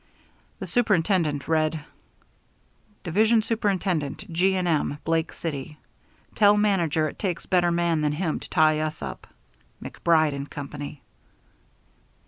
The superintendent read Div. Supt. G. & M., Blake City. Tell manager it takes better man than him to tie us up. MACBRIDE & COMPANY.